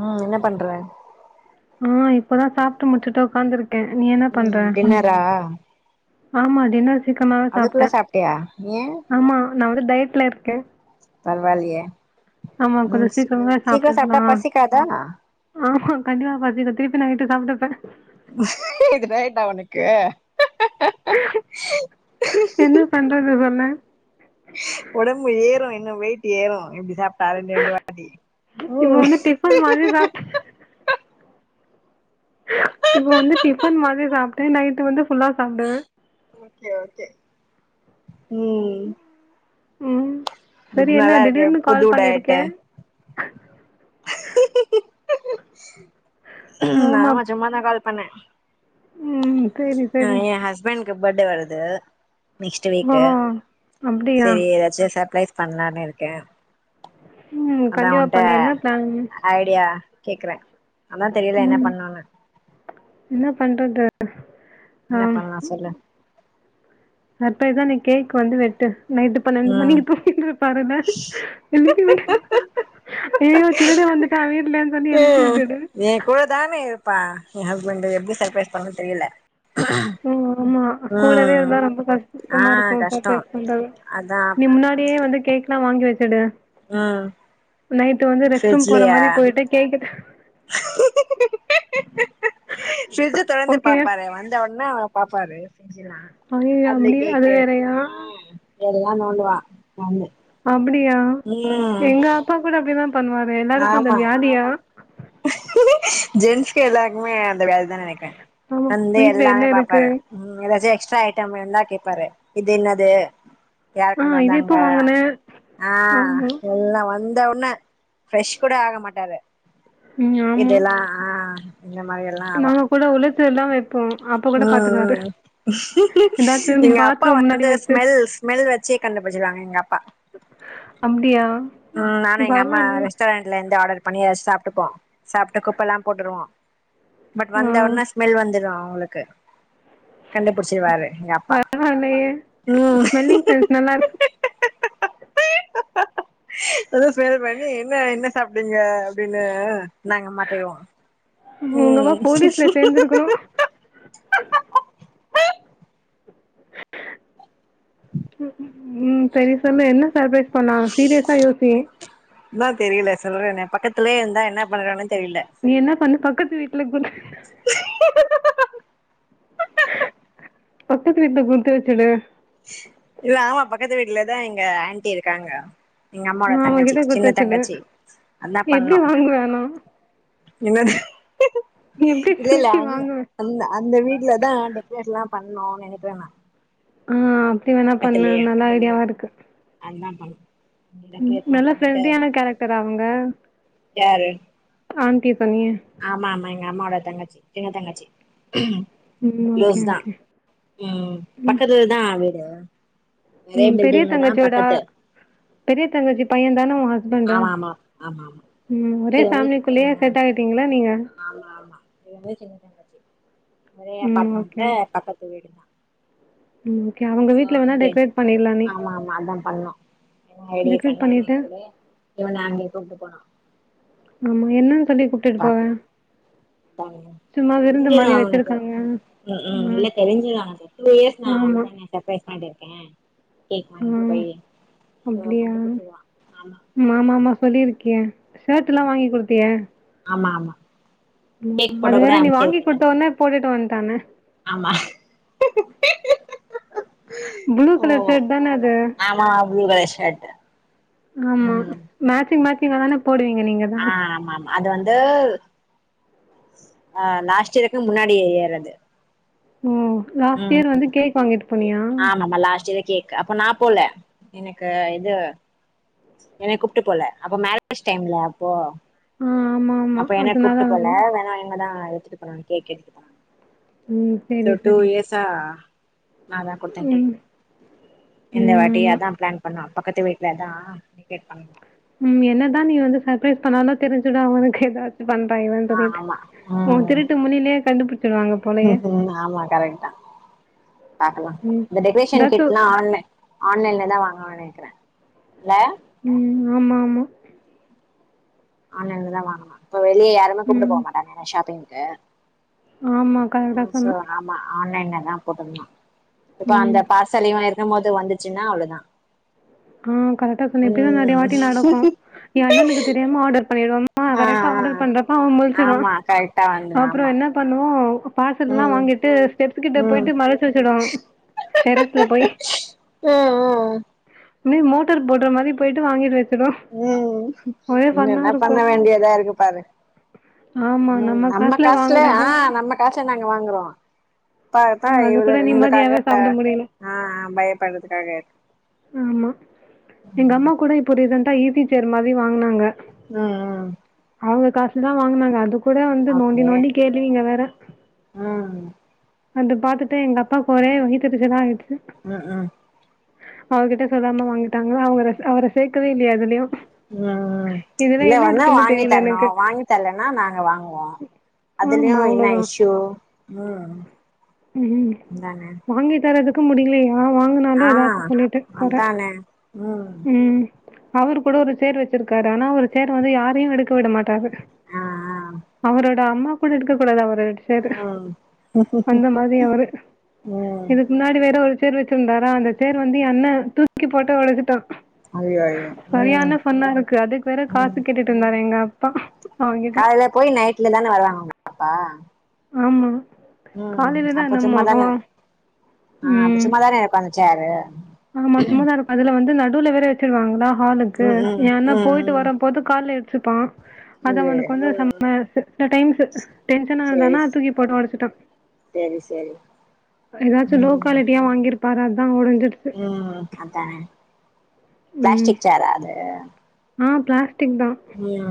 உஹம் என்ன பண்றேன் ஆஹ் இப்பதான் சாப்பிட்டு முட்டுட்டு உட்காந்துருக்கு உம் டின்னராரா ஆமாடின சக்கமாக அதுக்குள்ள சாப்பிட்டேன் சாப்ட்டியா ஏ ஆமா ந அவட தயத்துல இருக்கேன் பரவாயில்ையே ஆமா உம் கொஞ்சம் சீக்கிரமாவே சீக்கிரம் சாப்பிட்டா சாப்ட்டுக்கலாம். பசிக்காதா ஆமா கண்டிப்பா பாா திருப்பி நான்ட்டு சாப்பட்டுப்பன் இது ரைடா உனுக்கு என்ன பண்றது சொல்லு என்ன வெயிட் ஏறம் எப்படி இப்ப வந்து டிஃபன் மாதிரி சாப் [unintelligible] இப்ப வந்து டிஃபன் மாதிரி சாப்பிட்டேன் நைட்டு வந்து புஃபுல்லா சாப்பிடுவே ஓகே ஓகே உஹம் உம் இது நல்லா இருக்கேன் புதுடைட்ஆயிட்ட நமா ஜமா நா கால பண்ண உம் செரி செரி இப்ப எனக்கு பட்டே வருது நெக்ஸ் வீக் ஓஹோ! அப்டியா? சரி ஏதாச்சும் சர்ப்ரைஸ் பண்லானு இருக்கேன் உம் கண்டிப்பா பண்ணு என்ன பிளான் ஐடியா கேக்குறே அதா தெரியல என்ன உம் பண்ணுன்னு என்ன பண்றது ஆ என்ன பண்ணலாம் சொல்லு அப்பதான் நீ கேக் வந்து வெட்டு நைட்டு பன்னெண்டு ம் மணிக்கு போய்ட்டு பாருங்க விட ஏதோ திருட வந்துட்டா வர்ல உஹம் நீ கூட தானே இருப்பா என் ஹஸ்பண்ட் எப்படி சர்ப்ரைஸ் பண்ணும்னு தெரியல ஓ ஆமா கூலவே ம் இருந்தா ரொம்ப ஆ கஷ்டமா இருக்கும் கஷ்டோ சரைஸ் பண்றது அதா நீ முன்னாடியே வந்து கேக்லாம் எங்க வச்சடு உஹம் நைட்டு வந்து ரெஸ்ட் ரூம் போற மாதிரி போயிட்டு கேடக்கு ஃபிர்ஜு தொறந்து ஓகே பாப்பாரு வந்த உடனே பாப்பரு செஞ்சலாம் ஐயயோ அ அப்டி கேக அது இருக்கமா வேறயா எல்லாம் நோண்டுவான் நந்து அப்படியா எங்க அப்பா கூட அப்படிதான் பண்ணுவாரு எல்லாருக்கும் அந்த ஆமா வியாதியா ஜென்ஸ்கக்கு எல்லாக்குமே அந்த வியாதி ஆயிட்டேன் ஆமா வந்து வீட்ல என்ன எல்லாமே இருக்கு பாப்பாரு ஏதாச்ச எக்ஸ் எஸ்டா ஐட்டம் எல்லாம் கேப்பாரு இது என்னாது யார் ஆ கொண்டு இது வந்தாங்க எப்போ வாங்குன ஆஹ ஆமா எல்லா வந்த் வந்த ஒண்ண ஃப்ரெஷ் கூட ஆக மாட்டாரு ம் ஆமா இதெல்லா ஆஹ இந்த மாரியெல்லா ஆகு நாங்க [unintelligible] அப்ப கூட ஆஹ பாத்துருவாரு ஆ மு எதாச்சு மு எங்க அப்பா பாத்ரூம் முன்னாடி வந்து வச்சு ஸ்மெல் ஸ்மெல் சச்சே கண்டு புடுச்சுருவவாங்க எங்க அப்பா ஹ அப்டியா உம் நானு எங்க அம்மா பரவால்லயே ரெஸ்டாரண்ட்ல இருந்து ஆடர் பண்ணியா சாப்டுப்போ சாப்புட்டு குப்ப எல்லா போட்டுருவோம் பட் ஆ வந்த உன்னே ஸ்மெல் வந்துரு உங்களுக்கு கண்டுபுடிச்சிருவாரு பரவாலயே ஸ்மெல்லிங்க சென்ஸ் நல்லா இருக்கு ஹா அத ஸ்மல் பண்ணி என்ன என்ன சாப்டிங்க அப்டின்னு நாங்க மாத்திருவோம் இவுங்கலா போலீஸ்ல சேந்திருக்கணு உம் சரி சொன்னு என்ன சர்பரைஸ் இப்ப நான் சீரியஸா யோசி சொல்லுவாங்க பக்கத்திலே இருந்தான் என்ன பண்னனு நீ என்ன பண்ணு பக்கத்து வீட் இல்ல போது பக்கத்து வீட்டுல குடுத்து வச்சுரு இல்ல ஆமா பக்கத்து வீட்டுலதான் எங்க ஆண்டி இருக்காங்க எங்க அம்மாவோட ம் தங்கச்சி அவங்கிட்ட குடுத்து சின்ன வச்சுரு தங்கச்சி எப்பிடி வாங்குவானோ என்ன ஹு இல்ல இல்ல திருப்பி அங்க வாங்குவ அ அந்த வீட்டுலதான் டெக்ரேசனலா பண்ணுனானு நினப்பேங்க உம் நீ வேணா பண்ணு நல்லா ஐடியாவா இருக்கு ஆமா நல்ல ரெண்ட்லியான கேரக்டரா அவங்க யாரு சொன்னியே ஆமா ஆமா ஏன் அம்மோட தங்கச்சி சின்ன தங்கச்சி ம் ஓகே லூஸ்தா ஓகே உம் ம் பக்கதுதா அது [unintelligible] ம் பெரிய தங்கச்சியோட பெரிய தங்கச்சி பையன்தான உ ஹஸ் அடடா ஆமா ஆமா ஆமா ஆமா ம் ஒரே இது வந்து ஃபேமிலிக்குள்ளேயே சின்ன- செட்டாயிட்டீங்களா நீ ஆமா ஆமா இது வந்து சின்ன தங்கச்சி ஒரே ம் ஓகே அபார்ட்மெண்ட்ல பக்கத்து வீடுதா ம் ஓகே அவங்க சோ வீட்ல வேணா அங்க டெக்கரேட் பண்ணிர்லா நீ ஆமா ஆமா அதா பண்ணோ ஏதோ ஐடியா டெக்கரேட் பண்ணி பண்ணிட்டு [unintelligible] இவன அங்க கூப்ட்டு போனோ ஆமா என்ன சொல்லி கூப்டுட்டு போவே த்தாங்கனு தெரிஞ்சிரு அவனுக்கு ம் ஹும் இல்ல தெரிஞ்சிரு அவனுக்கு டூ இயர்ஸ் நா அப்டிதான சர்ப்ரைஸ் பன் [unintelligible] ம் அப்டியா கண்டுபுடிச்சிருவா ஆமா மாமாமாமா சொல்லிருக் ஏ ஷர்ட் எல்லாம் வாங்கி் குடுத்தியே ஆமா ஆமா ஆமா ம் கேக் ம் அது போட்டோ வேற கூட நீ வாங்கி அம்ச்சிருக்கேனே குடுத்த உடனே போட்டுட்டு வன்ட்டானே ஆமா ப்ளு ஓ கலர் ஷர்ட்தான அது ஆமா ப்ளூ கலர் ஷர்ட் ஆமா ம் மேச்சிங் ஆமா மேச்சிங்கதான போடுவீங்க நீங்கதா ஆ ஆமா ஆமா அது வந்து ஆ லாஸ்ட் இயருக்கு முன்னாடி இயர் அது ஓ லாஸ்ட் ம் இயர் வந்து கேக் வாங்கிட்டு போனியா ஆமாமா லாஸ்ட் இயர் கேக் அப்போ நா போல எனக்கு இது என்ன கூப்பிட்டு போல அப்ப மேரேஜ் டைம்ல அப்போ ஆ ஆமாமா. அப்ப என்ன அதனால கூப்ட்டு போல வந்து வேணா இங்கதா எடுத்துட்டு போனாங்க கேக் எடுத்து போனாங்க ம். டு சரி, டு சரி. இயர்ஸா நாதா குடுத்தே ம். கேக் இந்த ம். வாட்டி ஆமா. அதான் பிளான் பண்ணா பக்கத்து வீட்லதா டெக்கரேட் பண்ணோ ம் என்னதா நீ வந்து சர்பரைஸ் பண்ணாலு தெரிஞ்சுதா அவளுக்கு எதாச்சு அவந்தா ஆ இவன்றத ஆமா உன் திருட்டு முழிலயே கண்டுபிடிச்சிடுவாங்க போலயே ம் ம் ஆமா கரெக்ட் தா பாக்கலா ம். இந்த டெக்கரேஷன் ஏதாச்சும் கிட்லா ஆன்ல ஆன்லைன்ல ல்லா வாங்கனுன்னு நெனைக்கிறே இல்ல உம் ஆமா ஆமா ஆன்லைன்ல தான் வாங்குனோ இப்ப வெளிய யாரையுமே கூப்டு ம். போமாட்டாங்க ஷாப்பிங்க்கு ஏ ஆமா கட கத்தணும் என்னதான் போதும்னா இப்ப அந்த பார்சலையும் மது வந்துச்சின்னா அவ்லவ்தான் ஆஹ் கரட்டா சொன்ன இப் டி தான் நெறைய வாட்டி நடக்கும் என் அண்ணனுக்கு தெரியாம ஆடர் பண்ணிறுவாங்க ஆ கரட்டா ஆடர் பண்றப்ப அவன் ஆ முழிச்சுடுவான் ஆமா கரெக்டா வந்துரு ஆமா அப்றம் என்ன பண் [unintelligible] பார்செட்டுலாம் ம் வாங்கிட்டு ஸ்டெப்ஸ் கிட்ட ம் போயிட்டு மறச்சி வச்சிடும் டெரஸ்ல போய் ம் ம் மோட்டார் போட்ற மாரி போயிட்டு வாங்கிடுவெ ம் இன்னன்ன இருக்கு பண்ண வேண்டியதா இருக்கு பாரு ம் நம்ம காசுல ஆஹ் நம்ம காசுல வாங்றோம் பாத்தா அது கூட இவளக்காக நிம்மதியாவே சாப்ட முடியல ஆ பயப்படுறதுக்காக ஆமா எங்க ம் அம்மா கூட இப்ப ரின் ஈஸி சேர் மாரி வாங்குனாங்க உஹம் உஹம் அவங்க காஸ்ல தான் வாங்கினாங்க அது கூட வந்து நோண்டி நோண்டி கேளுவிங்க வேற ம் அத பாத்துட்டு எங்க அப்பாக்கு ஒரே வயிதெரிச்சலா ஆயிச்சி ம் ம் ம் அவகிட்ட சொல்லாம வாங்கிட்டாங்கன்னா அவங்க அவர சேக்கவே இல்லயா எதுலயும் ம் இல்ல ஒன்னா வாங்கி தெரியல எனக்கு தரணும் வாங்கி தர்லன்னா நாங்க வாங்குவோம் அதுலயும் என்ன இஷயூ ம் உம் உம் அதானே வாங்கி தரது [inaudible] முடிலயா ஆ வாங்குனாலும் ஆ ஏதாச்சி சொல்லிட்டு குற அதானே ம் அவரு கூட ஒரு சேர் வச்சிருக்காரு ஆனா அவரு சேர் வந்து யாரயும் எடுக்க விட மாட்டாரு ஆ அவரோ அம்மா கூட எடுக்க கூடாது ஆ அடிச்சாரு ம் அந்த மாரியவுரு ம் இதுக்கு முன்னாடி வேற ஒரு சேர் வச்சிருந்தாரா அந்த சேர் வந்து என்ண்ண தூக்கி போட்டு உடச்சிட்டான் ஐயோ ஐயோ ம் சரியான ஃபன்னாருக்கு அதுக்கு வேற காசு கேட்டுட்டு இருந்தாரு எங்கப் ப்ப கால்ல போய் நைட்ல தானே வருவாங்க உங்கப்பா ஆமா காலையிலதான் என்னம்ம ஹா ஆஹ் அப்ப சும்மாதானே இருப்பாங்க ச்சரு ஆமா சும்மதான் இருப்பா அதுல வந்து நடுல வேற எச்சிடுவாங்களா ஹாலுக்கு ம் ம் ஏன்னா போயிட்டு ம் வரபோது கால எடுத்து ஸ்சபா அத அவனுக்கு ம் வந்து சம் ம் சில டைம்ஸ் டென்சனா சேரி இருந்தனா தூக்கி போட்டு உடச்சுட்டான் சேரி சேரி ஏதாச்சும் லோ ம் குவாலிட்டியா வாங்கிரு அததான் உடைஞ்சிடுச்சு உம் அதான் பிளாஸ்டிக் சேரா அது ஆஹ் பிளாஸ் நீயா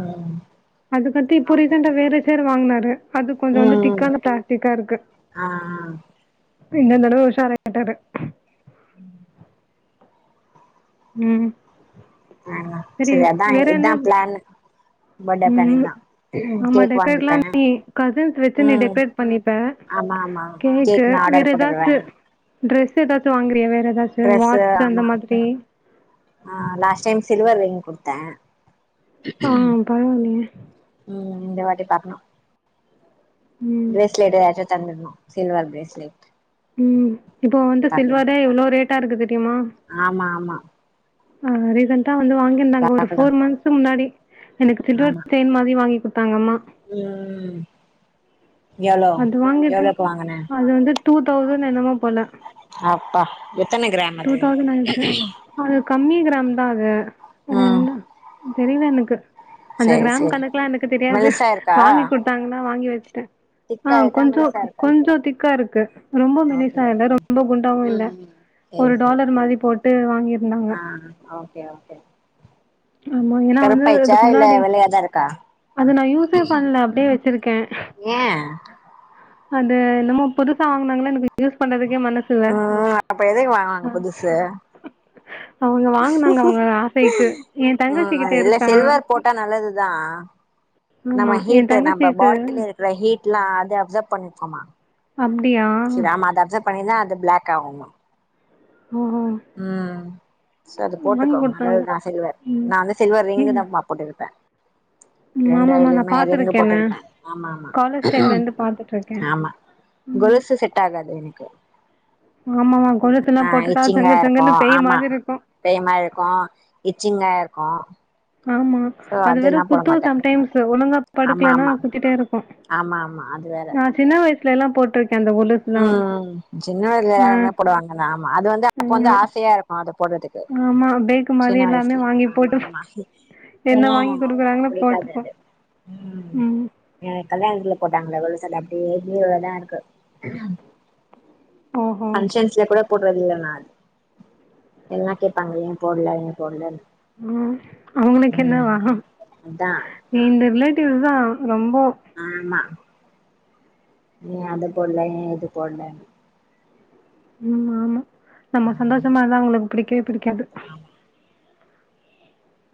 அதுக்கட்டி இப்பரீசன்டா வேற சேர் வாங்கினே க அது கொஞ்சோ வந்து ம் ம் திக்கான பிளாஸ்டிக்கா இருக்கு ஆ இந்தநட உஷார் ஆயிட்டாரு உம் ஆஹ் செரி அதான் இதான் பிளான் உம் இதா ஆமா கேக் வாங்கிப்பே டேக்ரேட்லாம் நீ கசின்சுஸ் வச்சு நீீ ம் டேக்ரேட் பண்ணிப்ப ஆமா ஆமா கேக் நா வேற ஆர்டர் போட்டுக்குறே எதாச்சு டிரஸ் ஏதாச்சும் வாங்குறியாவே டிரெஸ்சு ஆமா ஹ் லாஸ்ட் டைம் சில்வர் ரிங் குடுத்தே ஆ பரவாயில்லையே ஹுஉம் இந்த வாட்டி பக்னும் ம் பிரேஸ்லேட் எதாச்சும் தர்ருனா சில்வர் பிரேஸ்லெட் உம் இப்ப வந்து பாக்கலா சில்வரே எவ்ளோ ரேட் டா இருக்குது ஆமா ஆமா ஆஹ் ரீசன்டா வ வந்து வாங்கிருந்தாங்க ஒரு பாக்கலா பௌர் மந்த்ஸ் முன்னாடி எனக்கு சில்வர் ஆமா தேன் மாதிரி வாங்கி கொட் [unintelligible] ம் எவ்ளோ அது வாங்கிட்டு எவ்ளோக்கு வாங்குன அது வந்து டூ தௌசண் என்னமோ போல அப்பா எத்தன கிராம் டூ அது தௌசண்ட் ஆயிடுச்சு அது கம்மி கிராம் தான் அது ம் ரெண்டா தெரியில எனக்கு அந்த சேரி கிராம் சேரி கணக்கெல்லாம் எனக்கு தெரியாது மெலிசா இருக்கா வாங்கி கொடுத்தாங்கன்னா வாங்கி வச்சுட்டேன் திக்கா ஆ இருக்கா கொஞ்ச மெலிசா இருக்கா கொஞ்ச திக்கா இருக் கஹா ரொம்ப ஓகே மெலிசா இல்ல ஓகே ரொம்ப குண்டாவு இல்ல ம் ம் சேரி ஒரு சேரி டாலர் மாரி போட்டு வாங்கிருந்தாங்க ஆ ஓகே ஓகே ஆமா ஏன்னா வந்து கருப்பாயிச்சா இதுக்கு இல்ல முன்னாடி வெள்ளையாதா இருக்கா அது நான் யூஸே பண்ணல அப்டியே வச்சிருக்கே ஏ அது என்னமோ புதுசா வாங்குனாங்களா எனக்கு யூஸ் பண்றதுக் மனசுல ம் அப்ப எதுக்கு வாங்குனாங்க புதுசு அவங்க வாங்கினாங்க அவங்க ஆசைக்கு எ தங்கச்சி உம் கிட்ட அது இல்ல இருக்கா சில்வர் போட்டா நல்லதுதான் நம்ம ஆமா எ ஹீட் நம்ம தங்கச்சிக்கு பாடியில இருக்கிற ஹீட்லாம் அது அப்சர்வ் பண்ணும் ஆமா அப்டியா செரி ஆமா அப்ஸர் பண்ணிருந்தா அது பிளாக் [unintelligible] ஓஹோ உம் செரி வாங்கி போட்டுக்கோ குடுத்தாங்க அதாவதுதான் சில்வர் ம் நான் வந்து சில்வர் ரிங்குதாமா போட்டிருப்பே ரெண்டு ஆமா ஆமா நான் இதுலயுமே ரிங்கு பாத்துஇருக்கேனே போட்டிருப்பே ஆமா ஆமா காலேஜ் டைம்ல இருந்து பாத்துட்டுருக்கே ஆமா கொலுசு செட் ஆகாது எனக்கு ஆமாமா கொலுசுல்லா ஆஹ் போட்டுட்டா ஜங்கு இச்சிங்காய் ஜங்குன்னு இருக்கும் பேய் ஆமா மாதிரி இருக்கு பேமாதிரி இருக்கும் இச்சிங்காய் ஆ ஆமா அது வெற குத்தும் சம்டைம்ஸ் ஒழுங்கா ஆமா படுக்கலனா ஆமா குத்திட்டே இரு ஆமா ஆமா அது வேற எல்லாம் போட்டு ஆஹ் சின்ன வயல ஆ எல்லாருமே போடுவாங்க நான் அது வந்து அப்ப வந்து ஆமா ஆசையா இருக்கு அது போடுறதுக்கு ஆமா பேக்கு மாரி சின்ன எல்லாமே வயசுல வாங்கி ஆமா போட்டுப்போ ஆமா என்ன இப்பல்லாம் வாங்கி [inaudible] [inaudible] குடுக்குறாங்களோ பிடிக்காது போட்டுப்போ அது ம் என் கல்யாணத்துல போட்டாங்கள கொ அப்டியே பீரோலதான் இருக்கு ஓஹோ ஃபங்ஷன்ல கூட போடுறது இல்ல நான எல்லாம் கேட்பாங்க ஏன் போடல ஏன் போடலனு ஹம் அவங்களுக்கு என்னவா அதா இந்த ரிலேட்டிவ்ஸ் தான் ரொம்போ நீ அது பொடல என் இது போடலனு ம் ஆமா ஆமா நம்ம சந்தோஷமா இருந்தா அவங்களுக்கு பிடிக்கா பிடிக்காது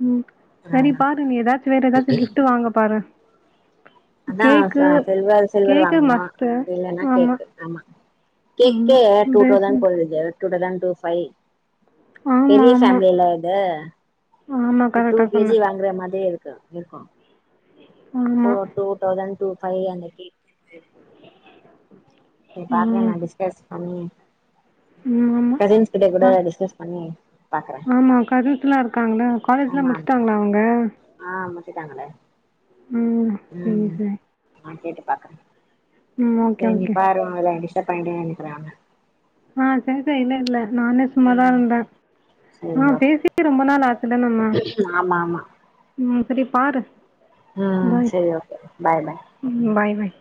ம் சரி ஆ பாரு நீ ஏதாச்சும் வேற ஏதாச்சும் கிஃப்ட் வாங்க பாரு அதான் கேக்கு சில்வர் சில்வர் கேக்கு வாங்கணும் மஸ்ட்டு அப்டில்லன்னா கேக்கு ஆமா ஆமா கேக்கே வேற டூதோஸண்ட் பிரேஸ்லெட் போடுதசு டூ தௌசண்ட் டூஃபைவ் ஆமா பெரிய ஆமா ஃபேமிலியில இது ஆமா ஒரு டூ கரெக்டா கேஜி சொன்ன வாங்குற மாரி இருக்கு இருக்க இருக்கும் டூ ஆமா டூ தௌசண்ட் டூபைவ் அந்த கேக் சரி பாக்குறேன் ம் நான் டிஸ்கஸ் அம் ம் ஆமா கசின்ஸ் கிட்ட கூட பா டிஸ்கஸ் பண்ணி பாக்குறேன் இருக்காங்களா காலேஜ்லாம் முடிச்சுட்டாங்களா அவங்க முடிச்சுட்டாங்களே ம் செரி செரி பாக்கறேன் செரி நீ பாரு உன்வேலய டிஸ்ட பயட்டே நிக்கிறாங்க ஆ சாச்சா இல்ல இல்ல நானே சும்மாதான் ம் இருந்தேன் சரி ஆ ஓகே பேசியே ரொம்ப நாள ஆச்சல நம்ம ஆமா ஆமா ம் சரி பாரு ம் பாய். செரி ஓகே பாய் பாய் ம். பாய், பாய்.